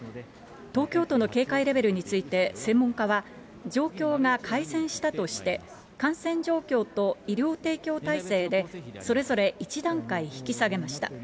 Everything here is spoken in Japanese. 東京都の警戒レベルについて、専門家は、状況が改善したとして、感染状況と医療提供体制で、それぞれ１段階引き下げました。